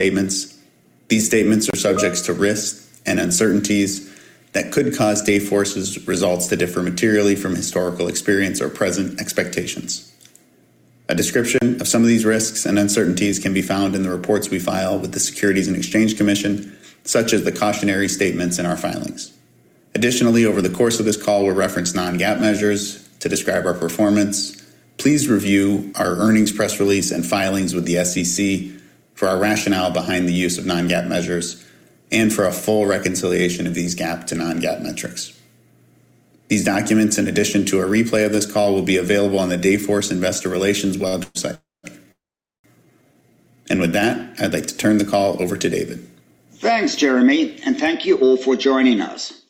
statements. These statements are subject to risks and uncertainties that could cause Dayforce's results to differ materially from historical experience or present expectations. A description of some of these risks and uncertainties can be found in the reports we file with the Securities and Exchange Commission, such as the cautionary statements in our filings. Additionally, over the course of this call, we'll reference non-GAAP measures to describe our performance. Please review our earnings press release and filings with the SEC for our rationale behind the use of non-GAAP measures and for a full reconciliation of these GAAP to non-GAAP metrics. These documents, in addition to a replay of this call, will be available on the Dayforce Investor Relations website. And with that, I'd like to turn the call over to David. Thanks, Jeremy, and thank you all for joining us.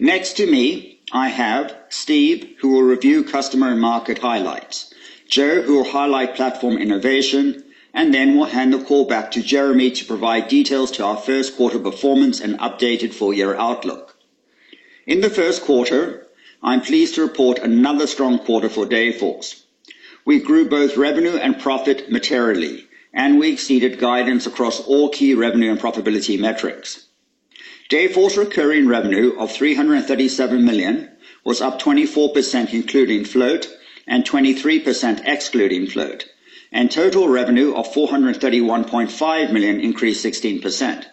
Next to me, I have Steve, who will review customer and market highlights, Joe, who will highlight platform innovation, and then we'll hand the call back to Jeremy to provide details to our first quarter performance and updated full year outlook. In the first quarter, I'm pleased to report another strong quarter for Dayforce. We grew both revenue and profit materially, and we exceeded guidance across all key revenue and profitability metrics. Dayforce recurring revenue of $337 million was up 24%, including float, and 23%, excluding float, and total revenue of $431.5 million increased 16%.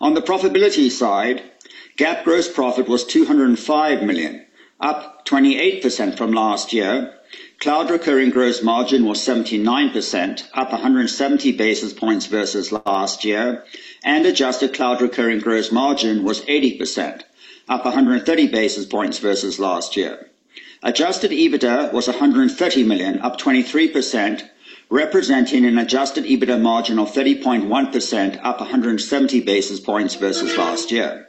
On the profitability side, GAAP gross profit was $205 million, up 28% from last year. Cloud Recurring Gross Margin was 79%, up 170 basis points versus last year, and Adjusted Cloud Recurring Gross Margin was 80%, up 130 basis points versus last year. Adjusted EBITDA was $130 million, up 23%, representing an Adjusted EBITDA margin of 30.1%, up 170 basis points versus last year.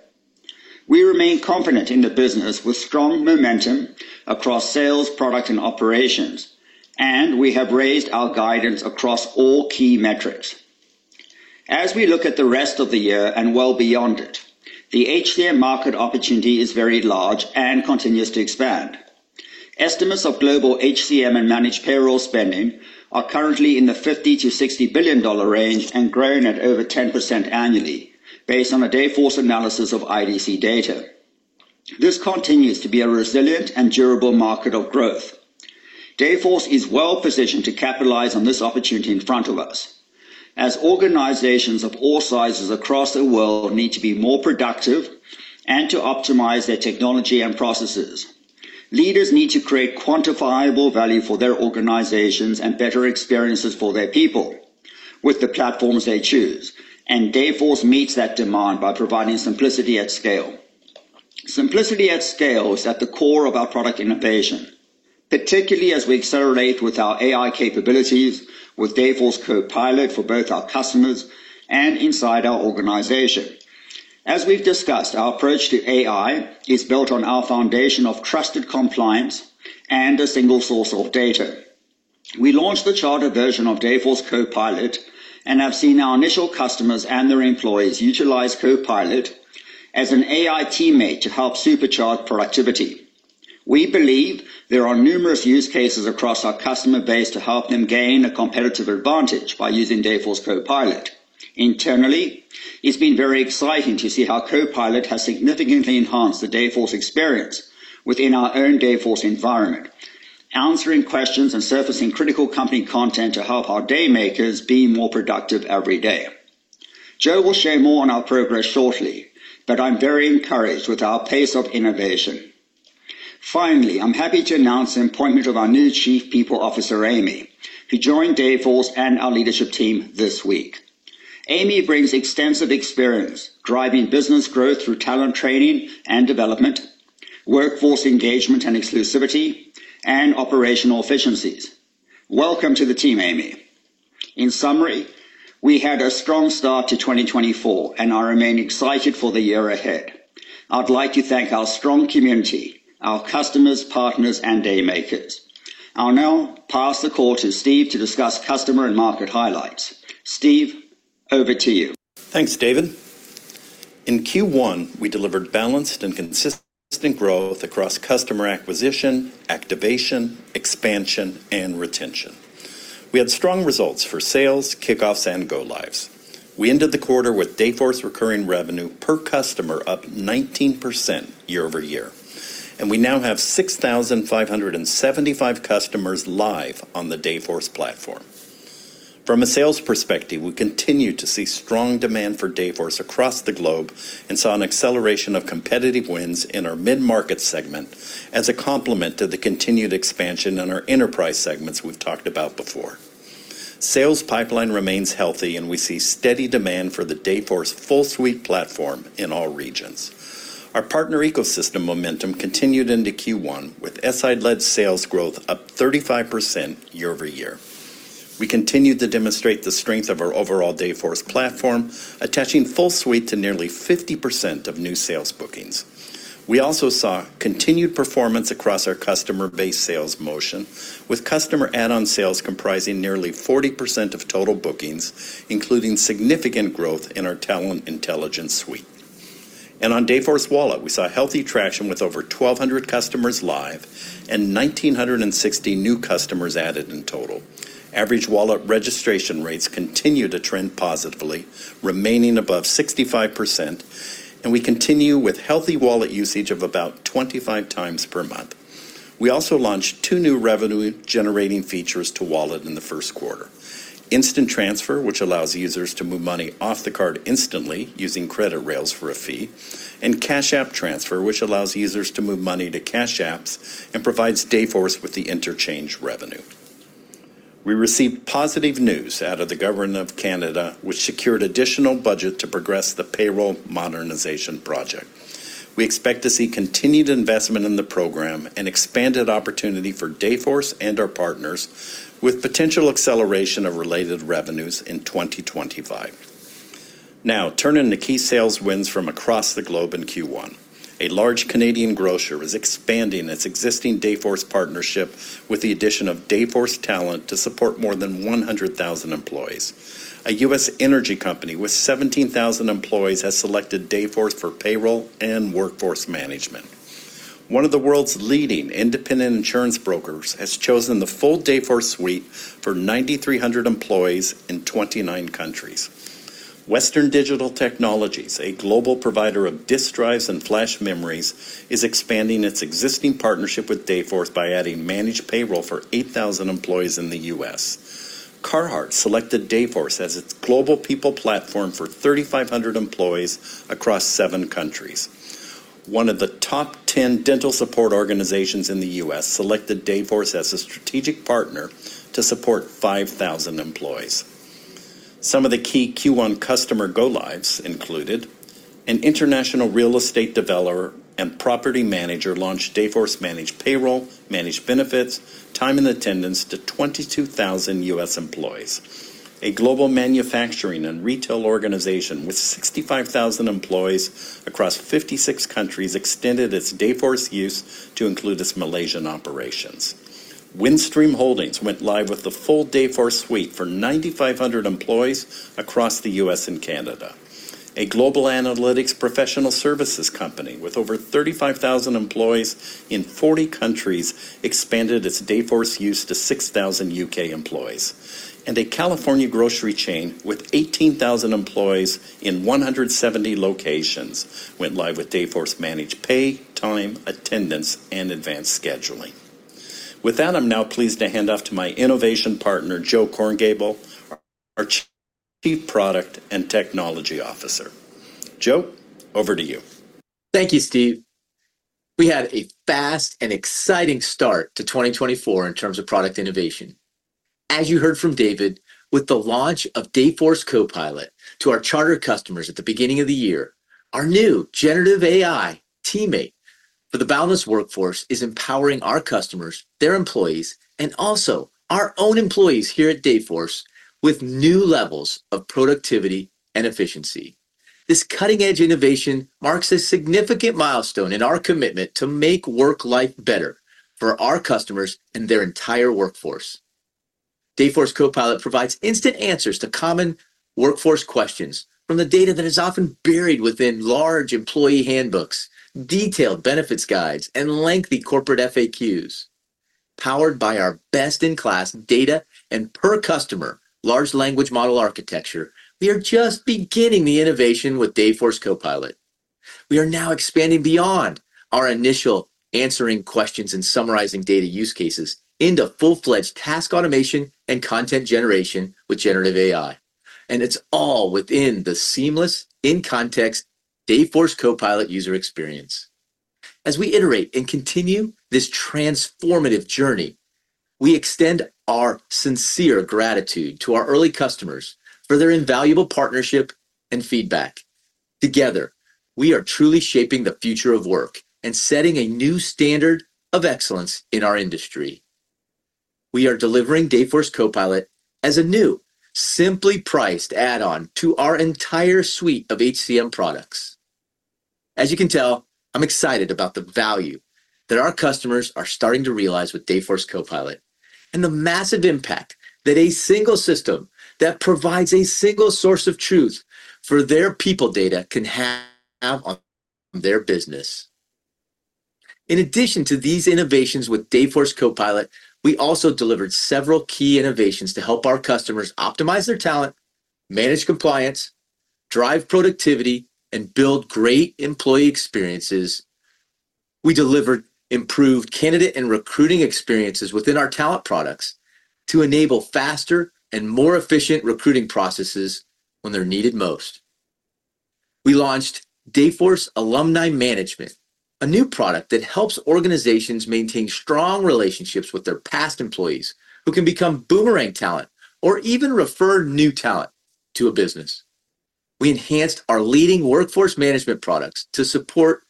We remain confident in the business with strong momentum across sales, product, and operations, and we have raised our guidance across all key metrics. As we look at the rest of the year and well beyond it, the HCM market opportunity is very large and continues to expand. Estimates of Global HCM and managed payroll spending are currently in the $50 billion-$60 billion range and growing at over 10% annually, based on a Dayforce analysis of IDC data. This continues to be a resilient and durable market of growth. Dayforce is well-positioned to capitalize on this opportunity in front of us, as organizations of all sizes across the world need to be more productive and to optimize their technology and processes. Leaders need to create quantifiable value for their organizations and better experiences for their people with the platforms they choose, and Dayforce meets that demand by providing simplicity at scale. Simplicity at scale is at the core of our product innovation, particularly as we accelerate with our AI capabilities with Dayforce Copilot for both our customers and inside our organization. As we've discussed, our approach to AI is built on our foundation of trusted compliance and a single source of data. We launched the charter version of Dayforce Copilot and have seen our initial customers and their employees utilize Copilot as an AI teammate to help supercharge productivity. We believe there are numerous use cases across our customer base to help them gain a competitive advantage by using Dayforce Copilot. Internally, it's been very exciting to see how Copilot has significantly enhanced the Dayforce experience within our own Dayforce environment, answering questions and surfacing critical company content to help our Daymakers be more productive every day. Joe will share more on our progress shortly, but I'm very encouraged with our pace of innovation. Finally, I'm happy to announce the appointment of our new Chief People Officer, Amy, who joined Dayforce and our leadership team this week. Amy brings extensive experience driving business growth through talent training and development, workforce engagement and inclusivity, and operational efficiencies. Welcome to the team, Amy! In summary, we had a strong start to 2024, and I remain excited for the year ahead. I'd like to thank our strong community, our customers, partners, and day makers. I'll now pass the call to Steve to discuss customer and market highlights. Steve, over to you. Thanks, David. In Q1, we delivered balanced and consistent growth across customer acquisition, activation, expansion, and retention. We had strong results for sales, kickoffs, and go-lives. We ended the quarter with Dayforce recurring revenue per customer up 19% year-over-year, and we now have 6,575 customers live on the Dayforce platform. From a sales perspective, we continue to see strong demand for Dayforce across the globe and saw an acceleration of competitive wins in our mid-market segment as a complement to the continued expansion in our enterprise segments we've talked about before. Sales pipeline remains healthy, and we see steady demand for the Dayforce full suite platform in all regions. Our partner ecosystem momentum continued into Q1, with SI-led sales growth up 35% year-over-year. We continued to demonstrate the strength of our overall Dayforce platform, attaching full suite to nearly 50% of new sales bookings. We also saw continued performance across our customer base sales motion, with customer add-on sales comprising nearly 40% of total bookings, including significant growth in our Talent Intelligence Suite.... On Dayforce Wallet, we saw healthy traction with over 1,200 customers live and 1,960 new customers added in total. Average wallet registration rates continue to trend positively, remaining above 65%, and we continue with healthy wallet usage of about 25 times per month. We also launched two new revenue-generating features to Wallet in the first quarter: Instant Transfer, which allows users to move money off the card instantly using credit rails for a fee, and Cash App Transfer, which allows users to move money to Cash App and provides Dayforce with the interchange revenue. We received positive news out of the Government of Canada, which secured additional budget to progress the payroll modernization project. We expect to see continued investment in the program and expanded opportunity for Dayforce and our partners, with potential acceleration of related revenues in 2025. Now, turning to key sales wins from across the globe in Q1. A large Canadian grocer is expanding its existing Dayforce partnership with the addition of Dayforce Talent to support more than 100,000 employees. A U.S. energy company with 17,000 employees has selected Dayforce for payroll and workforce management. One of the world's leading independent insurance brokers has chosen the full Dayforce suite for 9,300 employees in 29 countries. Western Digital Technologies, a global provider of disk drives and flash memories, is expanding its existing partnership with Dayforce by adding managed payroll for 8,000 employees in the U.S. Carhartt selected Dayforce as its global people platform for 3,500 employees across seven countries. One of the top 10 dental support organizations in the U.S. selected Dayforce as a strategic partner to support 5,000 employees. Some of the key Q1 customer go-lives included: an international real estate developer and property manager launched Dayforce Managed Payroll, Managed Benefits, Time and Attendance to 22,000 U.S. employees. A global manufacturing and retail organization with 65,000 employees across 56 countries extended its Dayforce use to include its Malaysian operations. Windstream Holdings went live with the full Dayforce suite for 9,500 employees across the U.S. and Canada. A global analytics professional services company with over 35,000 employees in 40 countries expanded its Dayforce use to 6,000 U.K. employees. And a California grocery chain with 18,000 employees in 170 locations went live with Dayforce Managed Pay, Time, Attendance, and Advanced Scheduling. With that, I'm now pleased to hand off to my innovation partner, Joe Korngiebel, our Chief Product and Technology Officer. Joe, over to you. Thank you, Steve. We had a fast and exciting start to 2024 in terms of product innovation. As you heard from David, with the launch of Dayforce Copilot to our charter customers at the beginning of the year, our new generative AI teammate for the boundless workforce is empowering our customers, their employees, and also our own employees here at Dayforce, with new levels of productivity and efficiency. This cutting-edge innovation marks a significant milestone in our commitment to make work life better for our customers and their entire workforce. Dayforce Copilot provides instant answers to common workforce questions from the data that is often buried within large employee handbooks, detailed benefits guides, and lengthy corporate FAQs. Powered by our best-in-class data and per customer large language model architecture, we are just beginning the innovation with Dayforce Copilot. We are now expanding beyond our initial answering questions and summarizing data use cases into full-fledged task automation and content generation with generative AI, and it's all within the seamless, in-context Dayforce Copilot user experience. As we iterate and continue this transformative journey, we extend our sincere gratitude to our early customers for their invaluable partnership and feedback. Together, we are truly shaping the future of work and setting a new standard of excellence in our industry. We are delivering Dayforce Copilot as a new, simply priced add-on to our entire suite of HCM products. As you can tell, I'm excited about the value that our customers are starting to realize with Dayforce Copilot and the massive impact that a single system that provides a single source of truth for their people data can have on their business. In addition to these innovations with Dayforce Copilot, we also delivered several key innovations to help our customers optimize their talent, manage compliance, drive productivity, and build great employee experiences. We delivered improved candidate and recruiting experiences within our talent products to enable faster and more efficient recruiting processes when they're needed most. We launched Dayforce Alumni Management, a new product that helps organizations maintain strong relationships with their past employees, who can become boomerang talent or even refer new talent to a business. We enhanced our leading workforce management products to support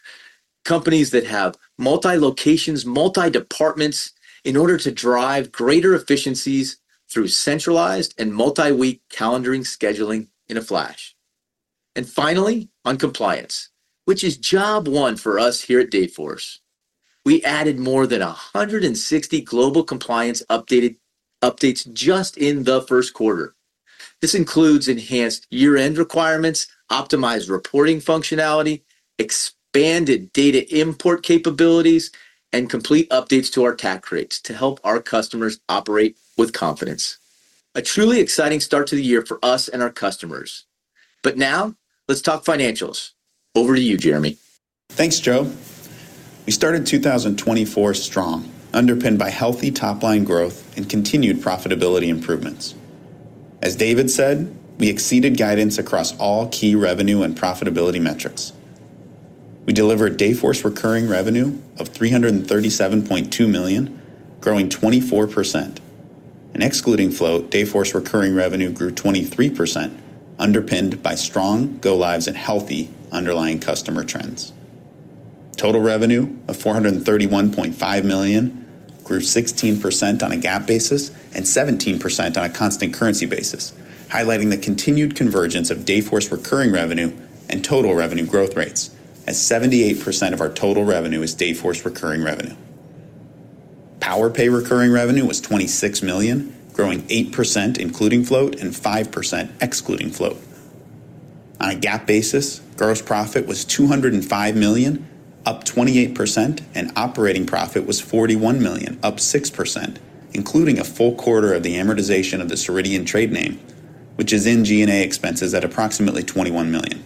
companies that have multi locations, multi departments, in order to drive greater efficiencies through centralized and multi-week calendaring scheduling in a flash. And finally, on compliance, which is job one for us here at Dayforce. We added more than 160 global compliance updated, updates just in the first quarter. This includes enhanced year-end requirements, optimized reporting functionality, expanded data import capabilities, and complete updates to our tax rates to help our customers operate with confidence. A truly exciting start to the year for us and our customers. But now, let's talk financials. Over to you, Jeremy. Thanks, Joe. We started 2024 strong, underpinned by healthy top-line growth and continued profitability improvements. As David said, we exceeded guidance across all key revenue and profitability metrics. We delivered Dayforce recurring revenue of $337.2 million, growing 24%, and excluding float, Dayforce recurring revenue grew 23%, underpinned by strong go lives and healthy underlying customer trends. Total revenue of $431.5 million grew 16% on a GAAP basis and 17% on a constant currency basis, highlighting the continued convergence of Dayforce recurring revenue and total revenue growth rates, as 78% of our total revenue is Dayforce recurring revenue. Powerpay recurring revenue was $26 million, growing 8% including float, and 5% excluding float. On a GAAP basis, gross profit was $205 million, up 28%, and operating profit was $41 million, up 6%, including a full quarter of the amortization of the Ceridian trade name, which is in G&A expenses at approximately $21 million.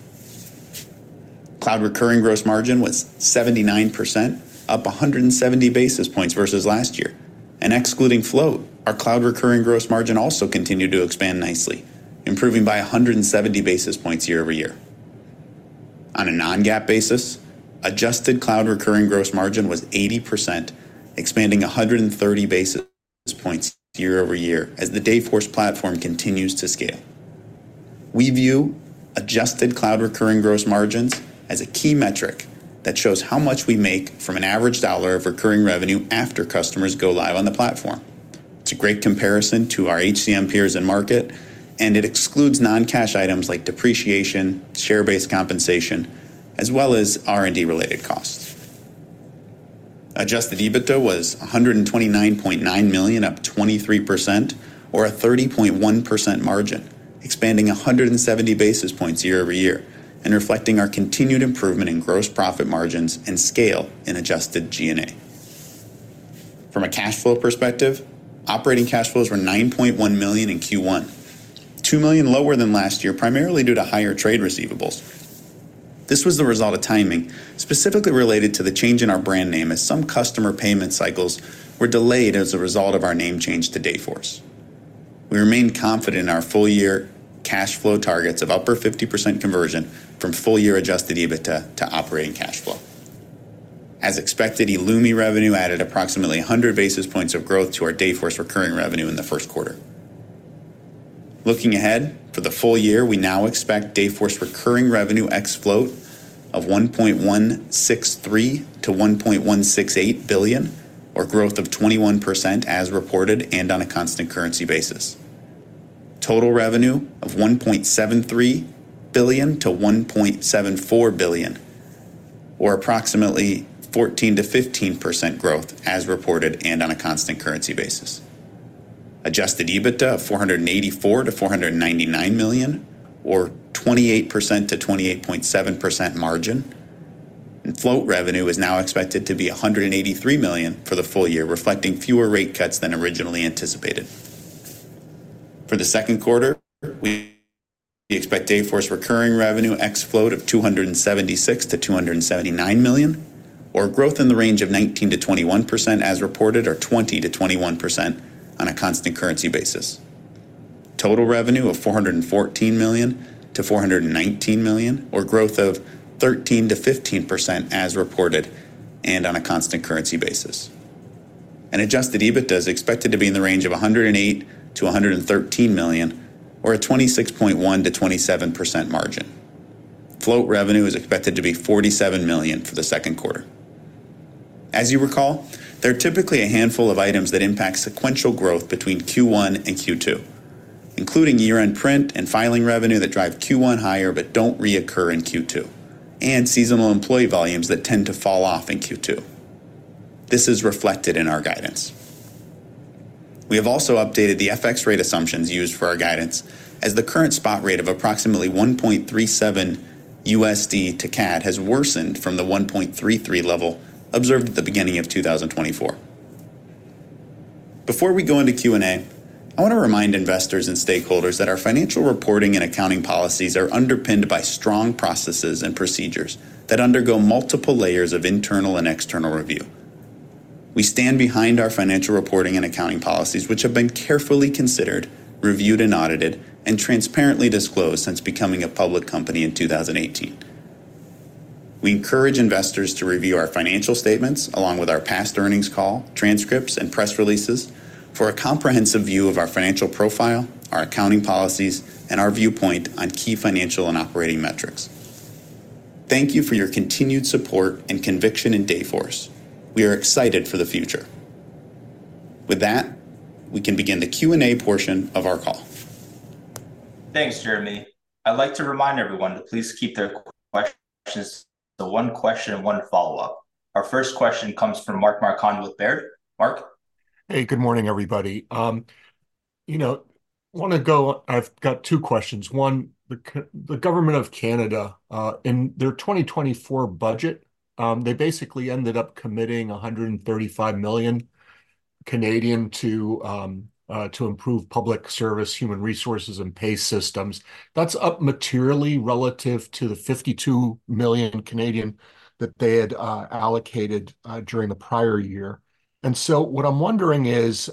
Cloud recurring gross margin was 79%, up 170 basis points versus last year. Excluding float, our cloud recurring gross margin also continued to expand nicely, improving by 170 basis points year-over-year. On a non-GAAP basis, adjusted cloud recurring gross margin was 80%, expanding 130 basis points year-over-year as the Dayforce platform continues to scale. We view adjusted cloud recurring gross margins as a key metric that shows how much we make from an average dollar of recurring revenue after customers go live on the platform. It's a great comparison to our HCM peers and market, and it excludes non-cash items like depreciation, share-based compensation, as well as R&D-related costs. Adjusted EBITDA was $129.9 million, up 23%, or a 30.1% margin, expanding 170 basis points year-over-year, and reflecting our continued improvement in gross profit margins and scale in adjusted G&A. From a cash flow perspective, operating cash flows were $9.1 million in Q1, $2 million lower than last year, primarily due to higher trade receivables. This was the result of timing, specifically related to the change in our brand name, as some customer payment cycles were delayed as a result of our name change to Dayforce. We remain confident in our full-year cash flow targets of upper 50% conversion from full-year adjusted EBITDA to operating cash flow. As expected, eloomi revenue added approximately 100 basis points of growth to our Dayforce recurring revenue in the first quarter. Looking ahead, for the full year, we now expect Dayforce recurring revenue ex float of $1.163 billion-$1.168 billion, or growth of 21% as reported and on a constant currency basis. Total revenue of $1.73 billion-$1.74 billion, or approximately 14%-15% growth as reported and on a constant currency basis. Adjusted EBITDA of $484 million-$499 million, or 28%-28.7% margin. Float revenue is now expected to be $183 million for the full year, reflecting fewer rate cuts than originally anticipated. For the second quarter, we expect Dayforce recurring revenue ex float of $276 million-$279 million, or growth in the range of 19%-21% as reported, or 20%-21% on a constant currency basis. Total revenue of $414 million-$419 million, or growth of 13%-15% as reported and on a constant currency basis. Adjusted EBITDA is expected to be in the range of $108 million-$113 million or a 26.1%-27% margin. Float revenue is expected to be $47 million for the second quarter. As you recall, there are typically a handful of items that impact sequential growth between Q1 and Q2, including year-end print and filing revenue that drive Q1 higher but don't reoccur in Q2, and seasonal employee volumes that tend to fall off in Q2. This is reflected in our guidance. We have also updated the FX rate assumptions used for our guidance as the current spot rate of approximately $1.37 to CAD has worsened from the 1.33 level observed at the beginning of 2024. Before we go into Q&A, I want to remind investors and stakeholders that our financial reporting and accounting policies are underpinned by strong processes and procedures that undergo multiple layers of internal and external review. We stand behind our financial reporting and accounting policies, which have been carefully considered, reviewed and audited, and transparently disclosed since becoming a public company in 2018. We encourage investors to review our financial statements, along with our past earnings call, transcripts, and press releases, for a comprehensive view of our financial profile, our accounting policies, and our viewpoint on key financial and operating metrics. Thank you for your continued support and conviction in Dayforce. We are excited for the future.... With that, we can begin the Q&A portion of our call. Thanks, Jeremy. I'd like to remind everyone to please keep their questions to one question and one follow-up. Our first question comes from Mark Marcon with Baird. Mark? Hey, good morning, everybody. You know, I wanna go-- I've got two questions. One, the Government of Canada, in their 2024 budget, they basically ended up committing 135 million to, to improve public service, human resources, and pay systems. That's up materially relative to the 52 million that they had, allocated, during the prior year. And so what I'm wondering is,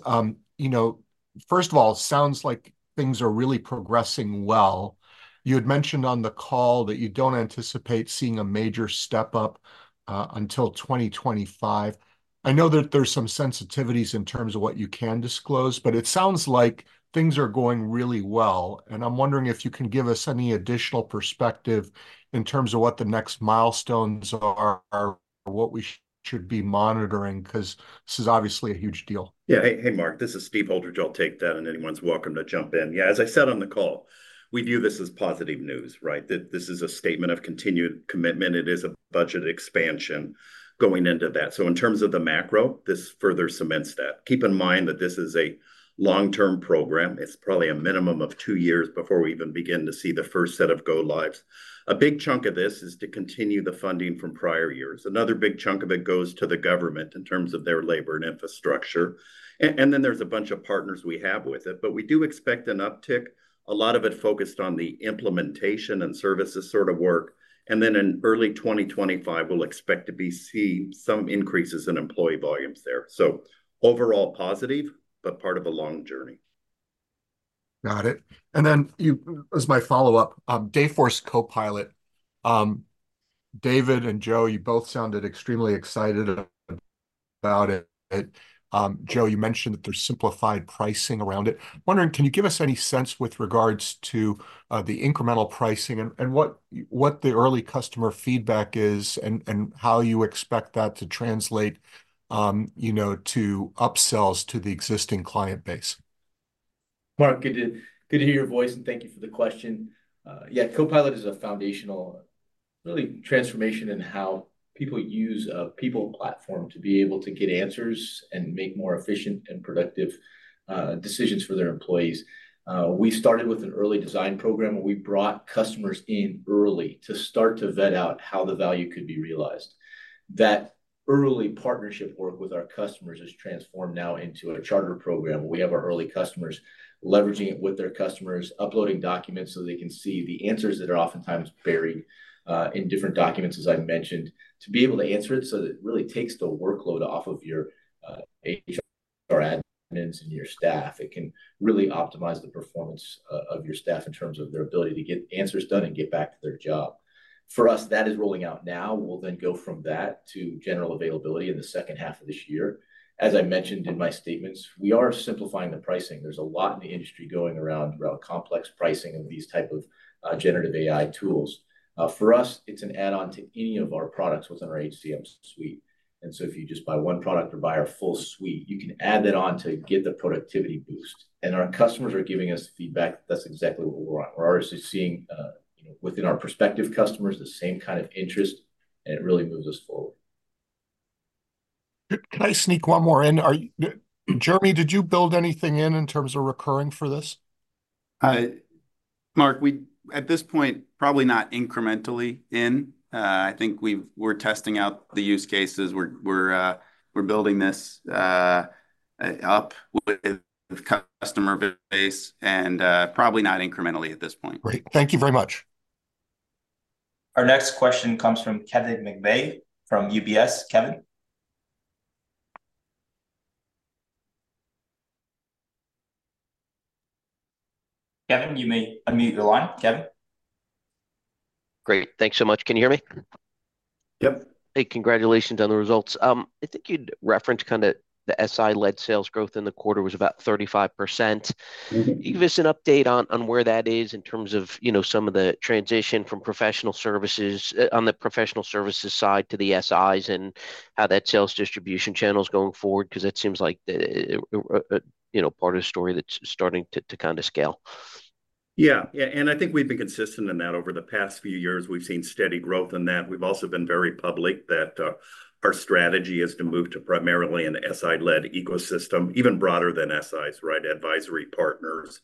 you know, first of all, it sounds like things are really progressing well. You had mentioned on the call that you don't anticipate seeing a major step-up, until 2025. I know that there's some sensitivities in terms of what you can disclose, but it sounds like things are going really well, and I'm wondering if you can give us any additional perspective in terms of what the next milestones are or what we should be monitoring, 'cause this is obviously a huge deal. Yeah. Hey, hey, Mark, this is Steve Holdridge. I'll take that, and anyone's welcome to jump in. Yeah, as I said on the call, we view this as positive news, right? That this is a statement of continued commitment. It is a budget expansion going into that. So in terms of the macro, this further cements that. Keep in mind that this is a long-term program. It's probably a minimum of two years before we even begin to see the first set of go lives. A big chunk of this is to continue the funding from prior years. Another big chunk of it goes to the government in terms of their labor and infrastructure, and then there's a bunch of partners we have with it. But we do expect an uptick, a lot of it focused on the implementation and services sort of work, and then in early 2025, we'll expect to be seeing some increases in employee volumes there. So overall positive, but part of a long journey. Got it, and then you—as my follow-up, Dayforce Copilot, David and Joe, you both sounded extremely excited about it. Joe, you mentioned that there's simplified pricing around it. I'm wondering, can you give us any sense with regards to, the incremental pricing and, and what, what the early customer feedback is, and, and how you expect that to translate, you know, to upsells to the existing client base? Mark, good to, good to hear your voice, and thank you for the question. Yeah, Copilot is a foundational really transformation in how people use a people platform to be able to get answers and make more efficient and productive decisions for their employees. We started with an early design program, where we brought customers in early to start to vet out how the value could be realized. That early partnership work with our customers has transformed now into a charter program. We have our early customers leveraging it with their customers, uploading documents so they can see the answers that are oftentimes buried in different documents, as I mentioned, to be able to answer it, so it really takes the workload off of your HR admins and your staff. It can really optimize the performance of your staff in terms of their ability to get answers done and get back to their job. For us, that is rolling out now. We'll then go from that to general availability in the second half of this year. As I mentioned in my statements, we are simplifying the pricing. There's a lot in the industry going around about complex pricing and these type of generative AI tools. For us, it's an add-on to any of our products within our HCM suite, and so if you just buy one product or buy our full suite, you can add that on to get the productivity boost. Our customers are giving us feedback. That's exactly what we want. We're obviously seeing, you know, within our prospective customers, the same kind of interest, and it really moves us forward. Can I sneak one more in? Jeremy, did you build anything in terms of recurring for this? Mark, at this point, probably not incrementally in. I think we're testing out the use cases. We're building this up with customer base and probably not incrementally at this point. Great. Thank you very much. Our next question comes from Kevin McVeigh, from UBS. Kevin? Kevin, you may unmute the line. Kevin? Great. Thanks so much. Can you hear me? Yep. Hey, congratulations on the results. I think you'd referenced kind of the SI-led sales growth in the quarter was about 35%. Mm-hmm. Can you give us an update on where that is in terms of, you know, some of the transition from professional services on the professional services side to the SIs and how that sales distribution channel is going forward? Because that seems like, you know, part of the story that's starting to kind of scale. Yeah. Yeah, and I think we've been consistent in that. Over the past few years, we've seen steady growth in that. We've also been very public that, our strategy is to move to primarily an SI-led ecosystem, even broader than SIs, right? Advisory partners,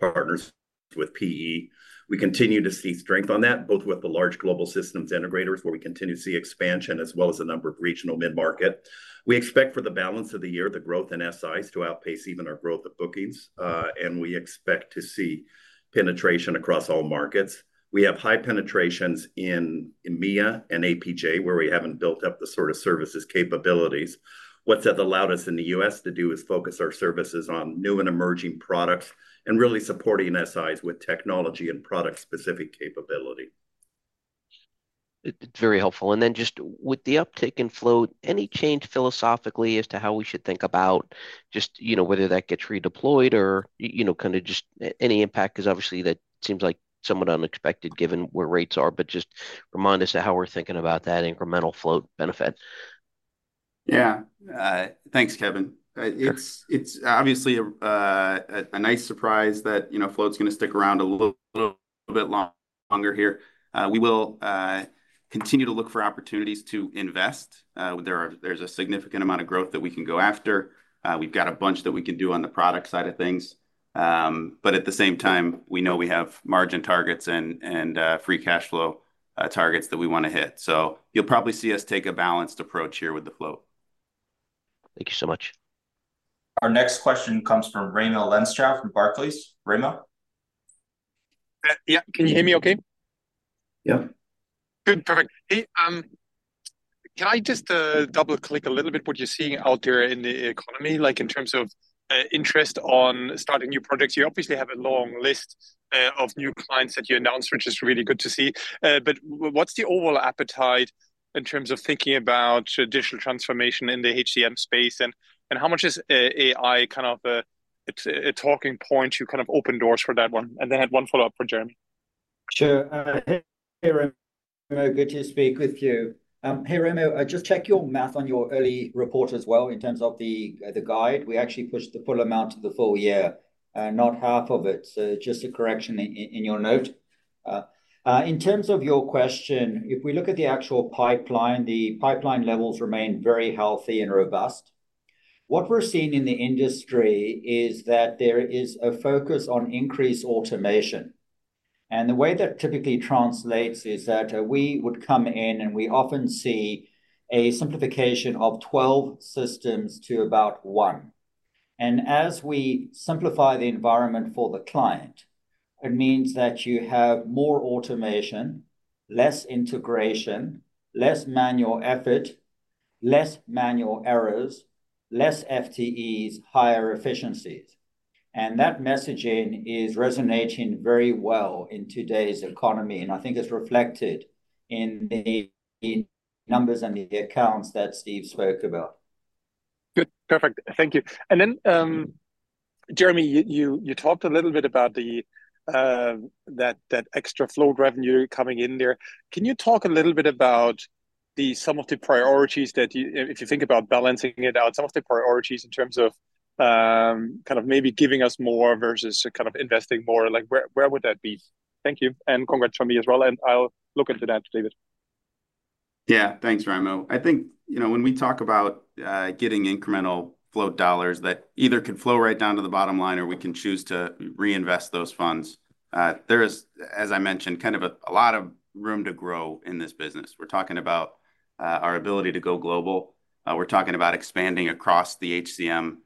partners with PE. We continue to see strength on that, both with the large global systems integrators, where we continue to see expansion, as well as a number of regional mid-market. We expect for the balance of the year, the growth in SIs to outpace even our growth of bookings, and we expect to see penetration across all markets. We have high penetrations in EMEA and APJ, where we haven't built up the sort of services capabilities. What that allowed us in the U.S. to do is focus our services on new and emerging products and really supporting SIs with technology and product-specific capability. It's very helpful. And then just with the uptick in flow, any change philosophically as to how we should think about just, you know, whether that gets redeployed or, you know, kind of just any impact? 'Cause obviously, that seems like somewhat unexpected, given where rates are, but just remind us to how we're thinking about that incremental flow benefit.... Yeah. Thanks, Kevin. It's obviously a nice surprise that, you know, float's gonna stick around a little bit longer here. We will continue to look for opportunities to invest. There's a significant amount of growth that we can go after. We've got a bunch that we can do on the product side of things. But at the same time, we know we have margin targets and free cash flow targets that we wanna hit. So you'll probably see us take a balanced approach here with the float. Thank you so much. Our next question comes from Raimo Lenschow from Barclays. Raimo? Yeah, can you hear me okay? Yeah. Good. Perfect. Hey, can I just double-click a little bit what you're seeing out there in the economy, like in terms of interest on starting new projects? You obviously have a long list of new clients that you announced, which is really good to see. But what's the overall appetite in terms of thinking about traditional transformation in the HCM space? And how much is AI kind of it's a talking point to kind of open doors for that one? And then I have one follow-up for Jeremy. Sure. Hey, Raimo, good to speak with you. Hey, Raimo, I just checked your math on your early report as well in terms of the guide. We actually pushed the full amount to the full year, not half of it. So just a correction in your note. In terms of your question, if we look at the actual pipeline, the pipeline levels remain very healthy and robust. What we're seeing in the industry is that there is a focus on increased automation, and the way that typically translates is that we would come in, and we often see a simplification of 12 systems to about one. And as we simplify the environment for the client, it means that you have more automation, less integration, less manual effort, less manual errors, less FTEs, higher efficiencies. That messaging is resonating very well in today's economy, and I think it's reflected in the numbers and the accounts that Steve spoke about. Good. Perfect. Thank you. And then, Jeremy, you, you talked a little bit about the, that, that extra float revenue coming in there. Can you talk a little bit about the—some of the priorities that you... if you think about balancing it out, some of the priorities in terms of, kind of maybe giving us more versus kind of investing more? Like, where, where would that be? Thank you, and congrats from me as well, and I'll look into that, David. Yeah. Thanks, Raimo. I think, you know, when we talk about getting incremental float dollars that either can flow right down to the bottom line or we can choose to reinvest those funds, there is, as I mentioned, kind of a lot of room to grow in this business. We're talking about our ability to go global. We're talking about expanding across the HCM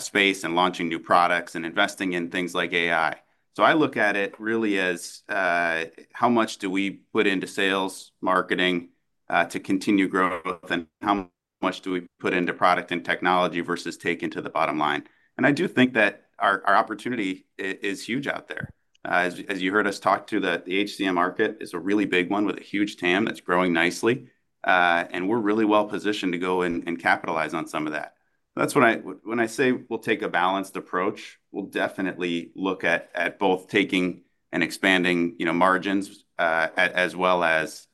space, and launching new products, and investing in things like AI. So I look at it really as how much do we put into sales, marketing to continue growth, and how much do we put into product and technology versus take into the bottom line? And I do think that our opportunity is huge out there. As you heard us talk about the HCM market is a really big one with a huge TAM that's growing nicely, and we're really well positioned to go and capitalize on some of that. That's when I say we'll take a balanced approach, we'll definitely look at both taking and expanding, you know, margins, as well as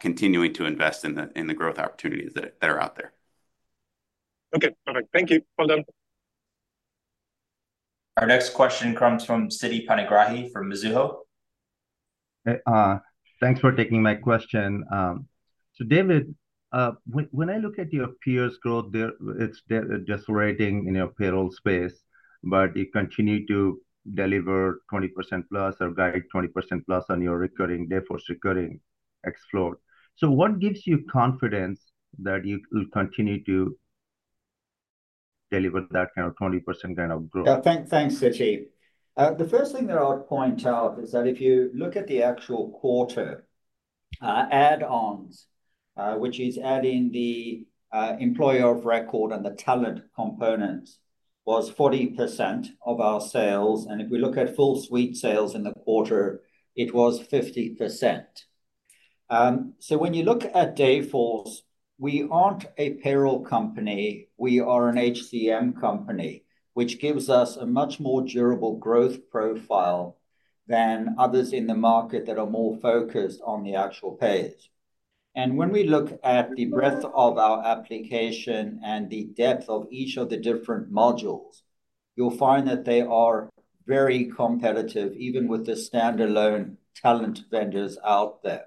continuing to invest in the growth opportunities that are out there. Okay, perfect. Thank you. Well done. Our next question comes from Siti Panigrahi from Mizuho. Thanks for taking my question. So David, when I look at your peers growth there, it's decelerating in your payroll space, but you continue to deliver 20%+ or guide 20%+ on your recurring Dayforce recurring ex float. So what gives you confidence that you will continue to deliver that kind of 20% kind of growth? Yeah. Thanks, Siti. The first thing that I would point out is that if you look at the actual quarter, add-ons, which is adding the employer of record and the talent component, was 40% of our sales, and if we look at full suite sales in the quarter, it was 50%. So when you look at Dayforce, we aren't a payroll company, we are an HCM company, which gives us a much more durable growth profile than others in the market that are more focused on the actual pays. And when we look at the breadth of our application and the depth of each of the different modules, you'll find that they are very competitive, even with the standalone talent vendors out there.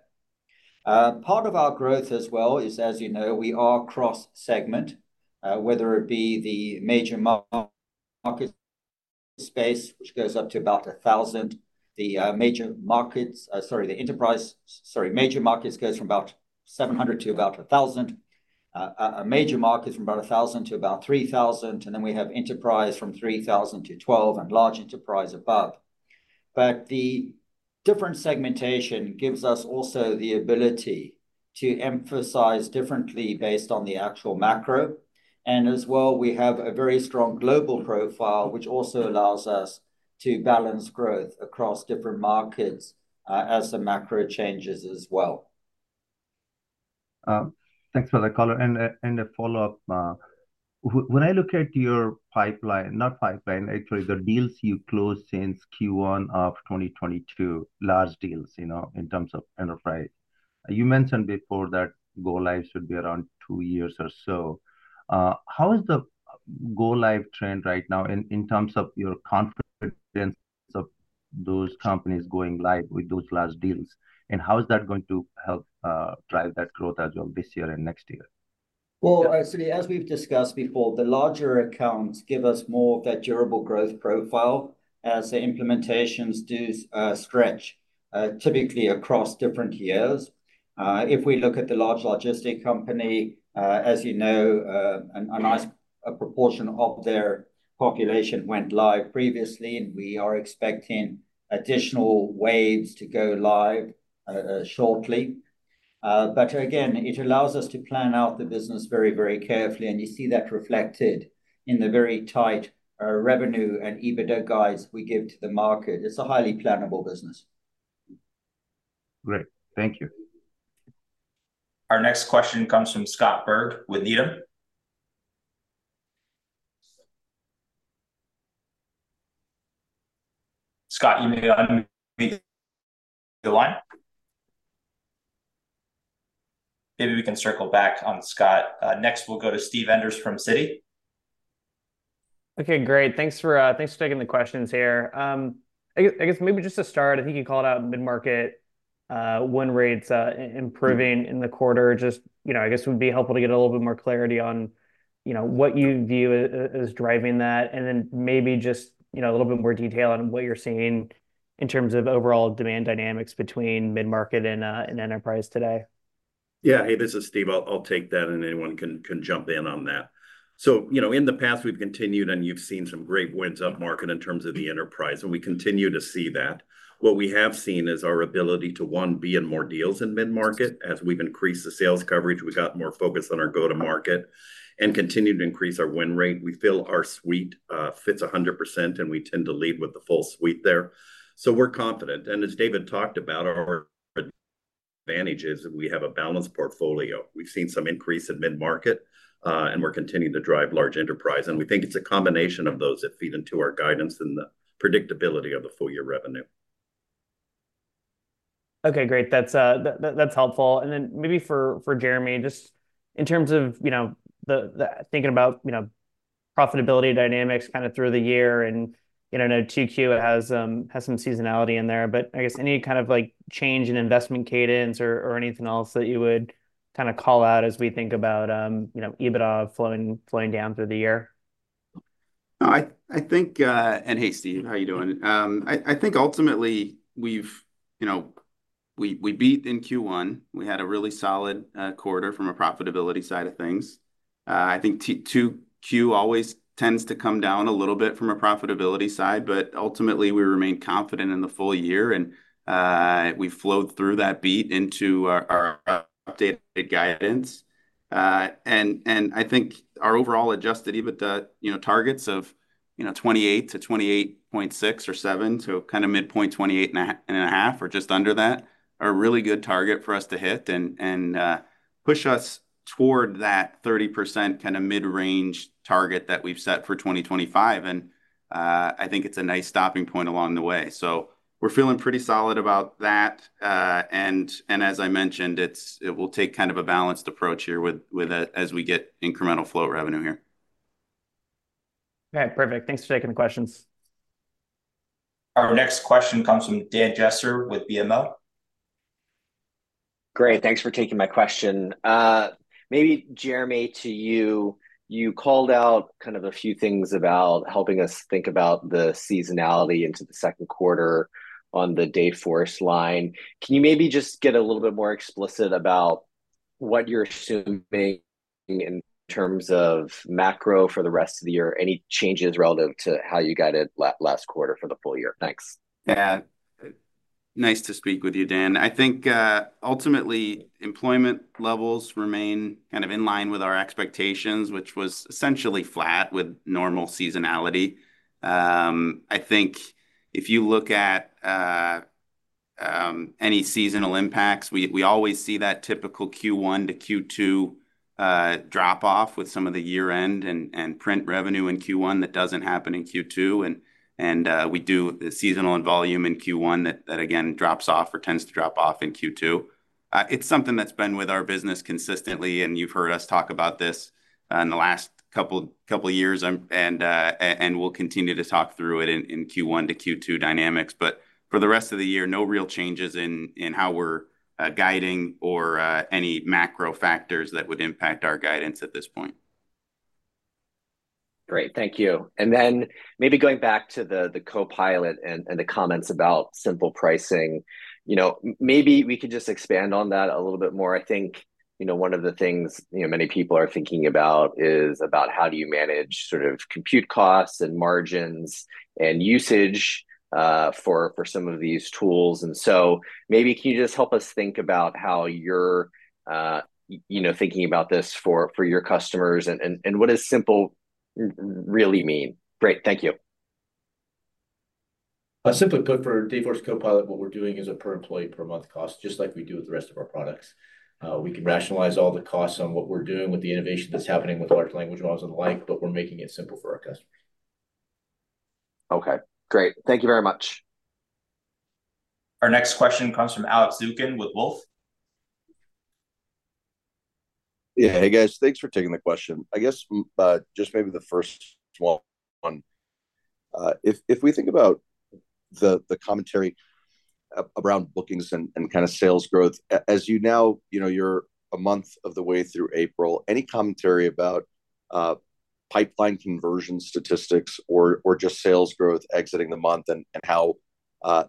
Part of our growth as well is, as you know, we are cross-segment, whether it be the major market space, which goes up to about 1,000. The major markets goes from about 700 to about 1,000. A major market is from about 1,000 to about 3,000, and then we have enterprise from 3,000 to 12, and large enterprise above. But the different segmentation gives us also the ability to emphasize differently based on the actual macro, and as well, we have a very strong global profile, which also allows us to balance growth across different markets, as the macro changes as well. Thanks for the call. And a follow-up. When I look at your pipeline, not pipeline, actually the deals you closed since Q1 of 2022, large deals, you know, in terms of enterprise. You mentioned before that go-live should be around two years or so. How is the go-live trend right now in terms of your confidence in those companies going live with those large deals? And how is that going to help drive that growth as well this year and next year? Well, so as we've discussed before, the larger accounts give us more of that durable growth profile, as the implementations do stretch typically across different years. If we look at the large logistics company, as you know, a nice proportion of their population went live previously, and we are expecting additional waves to go live shortly. But again, it allows us to plan out the business very, very carefully, and you see that reflected in the very tight revenue and EBITDA guides we give to the market. It's a highly plannable business. Great. Thank you. Our next question comes from Scott Berg with Needham. Scott, you may unmute the line. Maybe we can circle back on Scott. Next, we'll go to Steve Enders from Citi. Okay, great. Thanks for taking the questions here. I guess maybe just to start, I think you called out mid-market win rates improving in the quarter. Just, you know, I guess it would be helpful to get a little bit more clarity on, you know, what you view as driving that, and then maybe just, you know, a little bit more detail on what you're seeing in terms of overall demand dynamics between mid-market and enterprise today. Yeah. Hey, this is Steve. I'll take that, and anyone can jump in on that. So, you know, in the past we've continued, and you've seen some great wins up market in terms of the enterprise, and we continue to see that. What we have seen is our ability to, one, be in more deals in mid-market. As we've increased the sales coverage, we got more focused on our go-to-market and continued to increase our win rate. We feel our suite fits 100%, and we tend to lead with the full suite there. So we're confident, and as David talked about, our advantage is that we have a balanced portfolio. We've seen some increase in mid-market, and we're continuing to drive large enterprise, and we think it's a combination of those that feed into our guidance and the predictability of the full year revenue. Okay, great. That's that's helpful. And then maybe for Jeremy, just in terms of, you know, the thinking about, you know, profitability dynamics kind of through the year, and, you know, I know Q2 has has some seasonality in there. But I guess any kind of, like, change in investment cadence or anything else that you would kind of call out as we think about, you know, EBITDA flowing down through the year? I think... And hey, Steve, how you doing? I think ultimately we've, you know, we beat in Q1. We had a really solid quarter from a profitability side of things. I think Q2 always tends to come down a little bit from a profitability side, but ultimately, we remain confident in the full year, and we flowed through that beat into our updated guidance. And I think our overall adjusted EBITDA, you know, targets of, you know, 28%-28.6% or 28.7%, so kind of midpoint 28.5% or just under that, are a really good target for us to hit and push us toward that 30% kind of mid-range target that we've set for 2025.And, I think it's a nice stopping point along the way. So we're feeling pretty solid about that. And as I mentioned, it will take kind of a balanced approach here with that as we get incremental float revenue here. Okay, perfect. Thanks for taking the questions. Our next question comes from Daniel Jester with BMO. Great, thanks for taking my question. Maybe Jeremy, to you, you called out kind of a few things about helping us think about the seasonality into the second quarter on the Dayforce line. Can you maybe just get a little bit more explicit about what you're assuming in terms of macro for the rest of the year? Any changes relative to how you guided last quarter for the full year? Thanks. Yeah. Nice to speak with you, Dan. I think, ultimately, employment levels remain kind of in line with our expectations, which was essentially flat with normal seasonality. I think if you look at any seasonal impacts, we always see that typical Q1 to Q2 drop-off with some of the year-end and print revenue in Q1. That doesn't happen in Q2, and we do the seasonal and volume in Q1 that again drops off or tends to drop off in Q2. It's something that's been with our business consistently, and you've heard us talk about this in the last couple of years. And we'll continue to talk through it in Q1 to Q2 dynamics. But for the rest of the year, no real changes in how we're guiding or any macro factors that would impact our guidance at this point. Great. Thank you. And then maybe going back to the Copilot and the comments about simple pricing, you know, maybe we could just expand on that a little bit more. I think, you know, one of the things, you know, many people are thinking about is about how do you manage sort of compute costs and margins and usage, for some of these tools. And so maybe can you just help us think about how you're, you know, thinking about this for your customers, and what does simple really mean? Great. Thank you.... Simply put, for Dayforce Copilot, what we're doing is a per employee per month cost, just like we do with the rest of our products. We can rationalize all the costs on what we're doing with the innovation that's happening with large language models and the like, but we're making it simple for our customers. Okay, great. Thank you very much. Our next question comes from Alex Zukin with Wolfe. Yeah. Hey, guys. Thanks for taking the question. I guess, just maybe the first small one. If we think about the commentary around bookings and kind of sales growth, as you now... You know, you're a month of the way through April, any commentary about pipeline conversion statistics or just sales growth exiting the month and how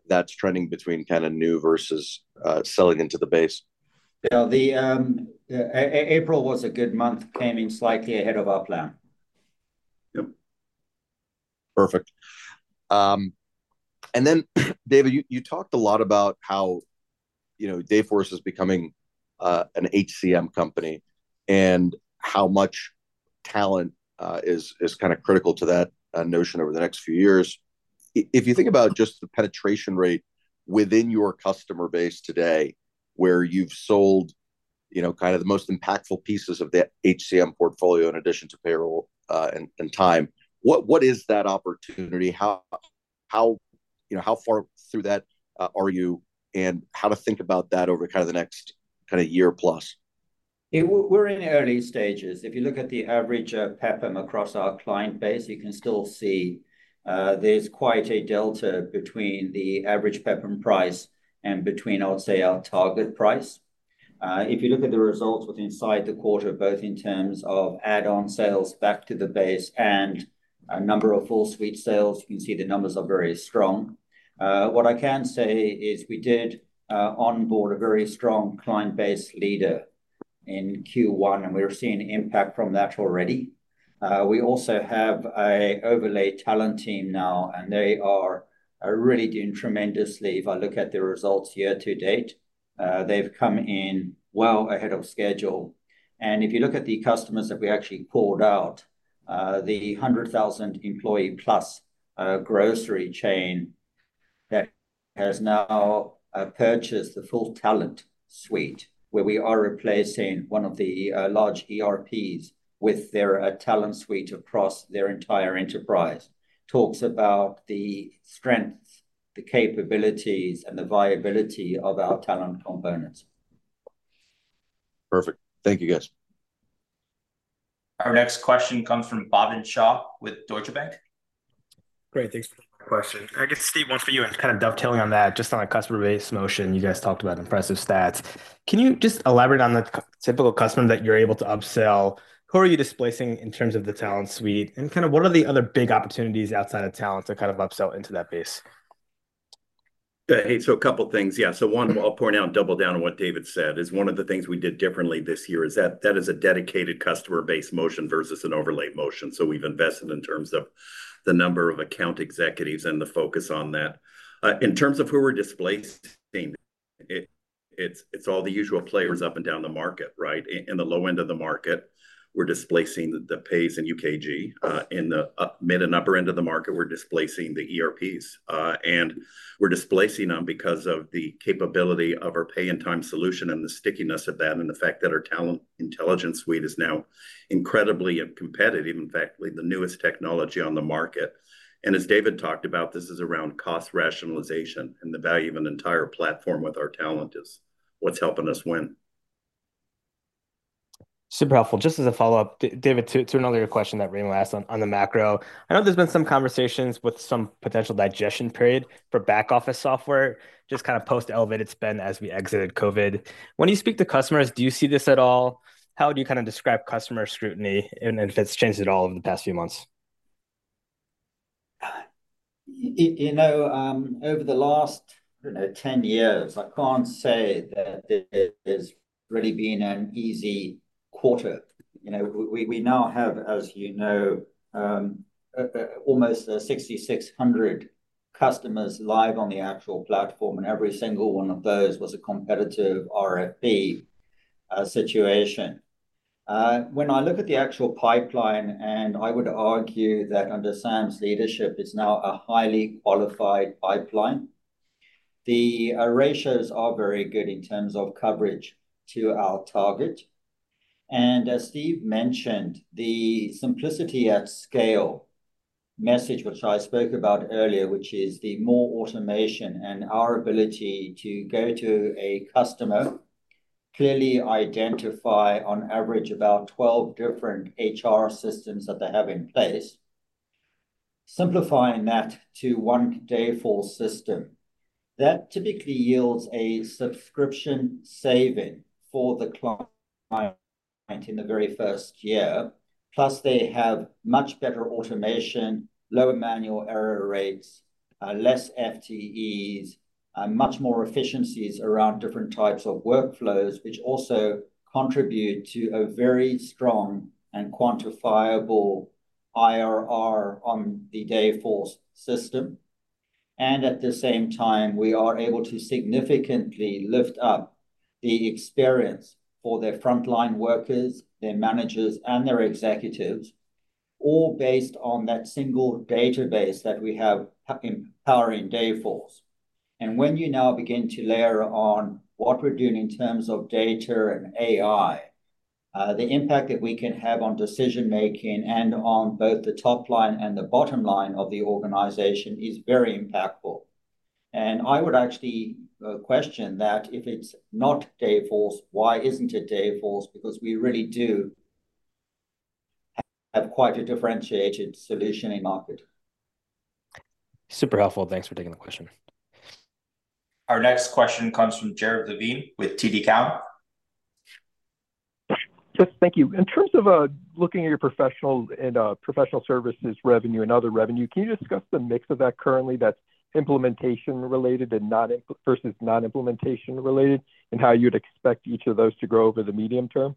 that's trending between kind of new versus selling into the base? Yeah, the April was a good month, came in slightly ahead of our plan. Yep. Perfect. And then, David, you talked a lot about how, you know, Dayforce is becoming an HCM company, and how much talent is kind of critical to that notion over the next few years. If you think about just the penetration rate within your customer base today, where you've sold, you know, kind of the most impactful pieces of the HCM portfolio, in addition to payroll, and time, what is that opportunity? How, you know, how far through that are you? And how to think about that over kind of the next kind of year plus? Yeah, we're, we're in the early stages. If you look at the average, PEP across our client base, you can still see, there's quite a delta between the average PEP price and between, I would say, our target price. If you look at the results within inside the quarter, both in terms of add-on sales back to the base and a number of full suite sales, you can see the numbers are very strong. What I can say is we did, onboard a very strong client base leader in Q1, and we're seeing impact from that already. We also have a overlay talent team now, and they are, are really doing tremendously. If I look at the results year to date, they've come in well ahead of schedule. And if you look at the customers that we actually called out, the 100,000-employee-plus grocery chain that has now purchased the full talent suite, where we are replacing one of the large ERPs with their talent suite across their entire enterprise, talks about the strengths, the capabilities, and the viability of our talent components. Perfect. Thank you, guys. Our next question comes from Bhavin Shah with Deutsche Bank. Great, thanks. Quick question. I guess, Steve, one for you, and kind of dovetailing on that, just on a customer base motion, you guys talked about impressive stats. Can you just elaborate on the typical customer that you're able to upsell? Who are you displacing in terms of the talent suite? And kind of what are the other big opportunities outside of talent to kind of upsell into that base? Hey, so a couple things. Yeah, so one, I'll point out and double down on what David said, is one of the things we did differently this year is that that is a dedicated customer base motion versus an overlay motion. So we've invested in terms of the number of account executives and the focus on that. In terms of who we're displacing, it, it's all the usual players up and down the market, right? In the low end of the market, we're displacing the Paychex and UKG. In the upper mid and upper end of the market, we're displacing the ERPs. And we're displacing them because of the capability of our pay and time solution and the stickiness of that, and the fact that our Talent Intelligence Suite is now incredibly competitive, in fact, with the newest technology on the market. As David talked about, this is around cost rationalization, and the value of an entire platform with our talent is what's helping us win. Super helpful. Just as a follow-up, David, to another question that came last on the macro. I know there's been some conversations with some potential digestion period for back office software, just kind of post-elevated spend as we exited COVID. When you speak to customers, do you see this at all? How would you kind of describe customer scrutiny, and if it's changed at all in the past few months? You know, over the last 10 years, I can't say that there's really been an easy quarter. You know, we now have, as you know, almost 6,600 customers live on the actual platform, and every single one of those was a competitive RFP situation. When I look at the actual pipeline, and I would argue that under Sam's leadership, it's now a highly qualified pipeline. The ratios are very good in terms of coverage to our target. As Steve mentioned, the simplicity at scale message, which I spoke about earlier, which is the more automation and our ability to go to a customer, clearly identify on average about 12 different HR systems that they have in place, simplifying that to one Dayforce system, that typically yields a subscription saving for the client in the very first year. Plus, they have much better automation, lower manual error rates, less FTEs, much more efficiencies around different types of workflows, which also contribute to a very strong and quantifiable IRR on the Dayforce system. And at the same time, we are able to significantly lift up the experience for their frontline workers, their managers, and their executives, all based on that single database that we have in powering Dayforce. When you now begin to layer on what we're doing in terms of data and AI, the impact that we can have on decision-making and on both the top line and the bottom line of the organization is very impactful. I would actually question that if it's not Dayforce, why isn't it Dayforce? Because we really do have quite a differentiated solution in market. Super helpful. Thanks for taking the question. Our next question comes from Jared Levine with TD Cowen. Just thank you. In terms of looking at your professional services revenue and other revenue, can you discuss the mix of that currently that's implementation-related and non-implementation related, and how you'd expect each of those to grow over the medium term?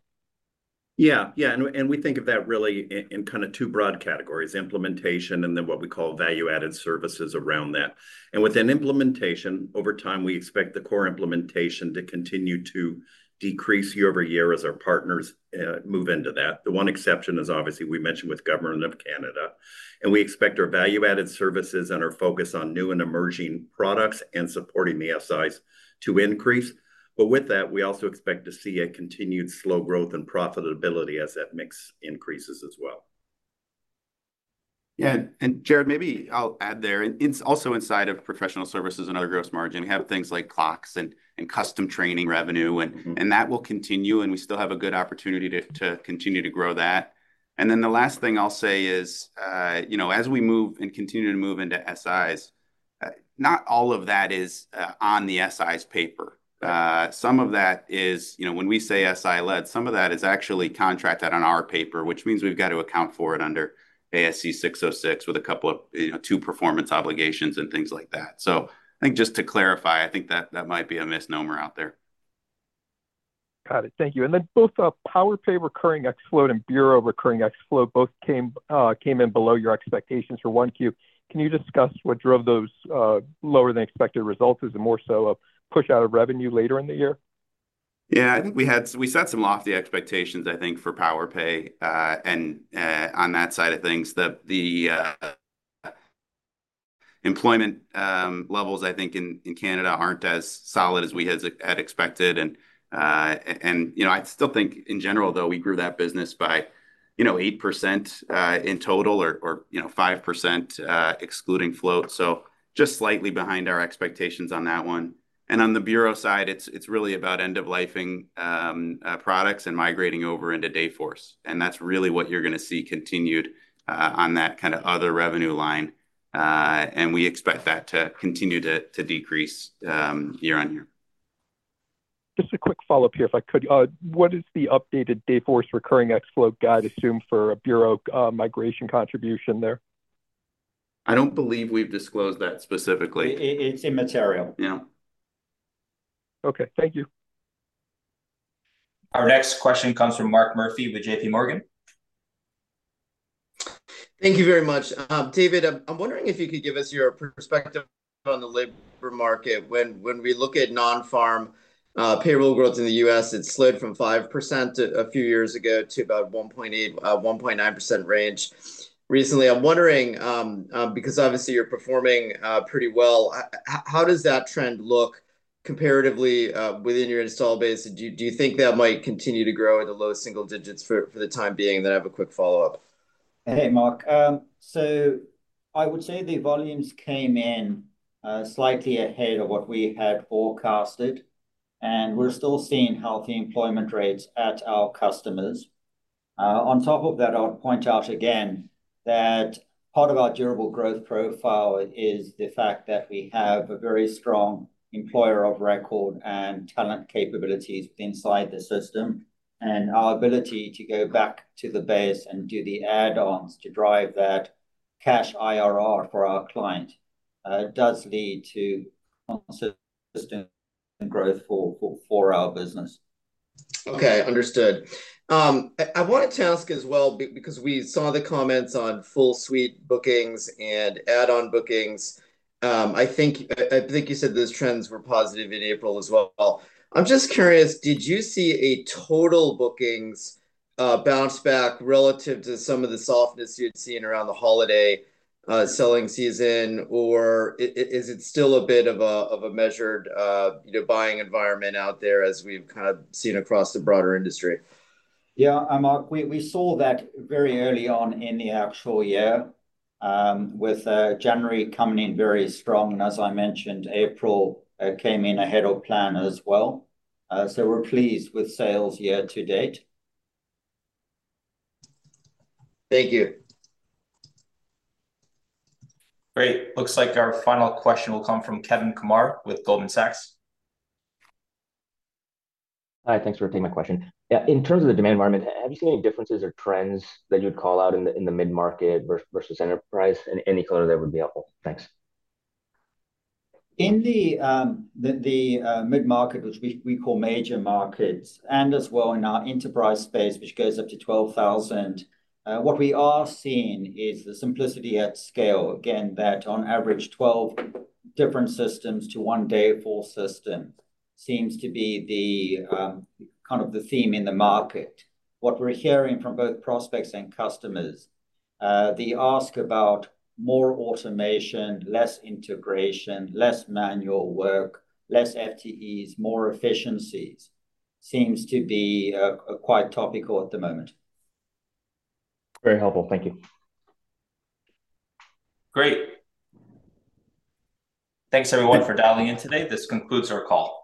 Yeah. Yeah, and, and we think of that really in, in kind of two broad categories: implementation, and then what we call value-added services around that. And within implementation, over time, we expect the core implementation to continue to decrease year over year as our partners move into that. The one exception is obviously, we mentioned with Government of Canada, and we expect our value-added services and our focus on new and emerging products and supporting the SIs to increase. But with that, we also expect to see a continued slow growth and profitability as that mix increases as well. Yeah, and Jared, maybe I'll add there, it's also inside of professional services and other gross margin. We have things like clocks and custom training revenue. Mm-hmm. And that will continue, and we still have a good opportunity to continue to grow that. And then the last thing I'll say is, you know, as we move and continue to move into SIs, not all of that is on the SIs paper. Some of that is, you know, when we say SI led, some of that is actually contracted on our paper, which means we've got to account for it under ASC 606 with a couple of, you know, two performance obligations and things like that. So I think just to clarify, I think that might be a misnomer out there. Got it. Thank you. And then both, Powerpay recurring ex float and Bureau recurring ex float both came, came in below your expectations for 1Q. Can you discuss what drove those, lower than expected results? Is it more so a push out of revenue later in the year? Yeah, I think we had... We set some lofty expectations, I think, for PowerPay. And on that side of things, the employment levels, I think in Canada aren't as solid as we had expected. And you know, I still think in general, though, we grew that business by, you know, 8% in total, or five percent excluding float. So just slightly behind our expectations on that one. And on the Bureau side, it's really about end-of-lifing products and migrating over into Dayforce, and that's really what you're gonna see continued on that kind of other revenue line. And we expect that to continue to decrease year-over-year. Just a quick follow-up here, if I could. What is the updated Dayforce recurring ex float guide assume for a Bureau migration contribution there? I don't believe we've disclosed that specifically. It's immaterial. Yeah. Okay. Thank you. Our next question comes from Mark Murphy with JPMorgan. Thank you very much. David, I'm wondering if you could give us your perspective on the labor market. When we look at non-farm payroll growth in the U.S., it slid from 5% a few years ago to about 1.8%-1.9% range recently. I'm wondering, because obviously you're performing pretty well, how does that trend look comparatively within your install base? Do you think that might continue to grow at the low single digits for the time being? Then I have a quick follow-up. Hey, Mark. So I would say the volumes came in slightly ahead of what we had forecasted, and we're still seeing healthy employment rates at our customers. On top of that, I would point out again, that part of our durable growth profile is the fact that we have a very strong employer of record and talent capabilities inside the system, and our ability to go back to the base and do the add-ons to drive that cash IRR for our client does lead to consistent growth for our business. Okay, understood. I wanted to ask as well, because we saw the comments on full suite bookings and add-on bookings. I think you said those trends were positive in April as well. I'm just curious, did you see a total bookings bounce back relative to some of the softness you'd seen around the holiday selling season, or is it still a bit of a measured, you know, buying environment out there as we've kind of seen across the broader industry? Yeah, and Mark, we saw that very early on in the actual year, with January coming in very strong. And as I mentioned, April came in ahead of plan as well. So we're pleased with sales year to date. Thank you. Great. Looks like our final question will come from Kevin Kumar with Goldman Sachs. Hi, thanks for taking my question. Yeah, in terms of the demand environment, have you seen any differences or trends that you'd call out in the mid-market versus enterprise? Any color there would be helpful. Thanks. In the mid-market, which we call major markets, and as well in our enterprise space, which goes up to 12,000, what we are seeing is the simplicity at scale. Again, that on average, 12 different systems to one Dayforce system seems to be the kind of theme in the market. What we're hearing from both prospects and customers, the ask about more automation, less integration, less manual work, less FTEs, more efficiencies, seems to be quite topical at the moment. Very helpful. Thank you. Great. Thanks, everyone, for dialing in today. This concludes our call.